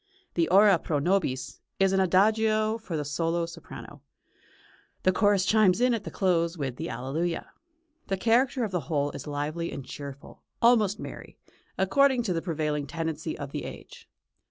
The "Ora pro nobis" is an Adagio for the solo soprano; the chorus chimes in at the close with the Alleluia. The character of the whole is lively and cheerful, almost merry, according to the prevailing tendency of the age.